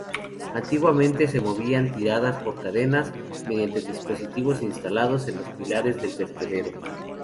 Antiguamente se movían tiradas por cadenas, mediante dispositivos instalados en los pilares del vertedero.